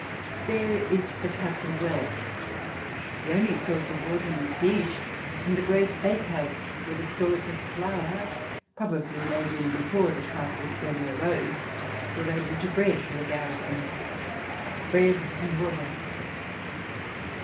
There is the castle well, the only source of water in a siege, and the great bakehouse, where the stores of flour, probably laid in before the casus belli arose, were made into bread for the garrison. Bread and water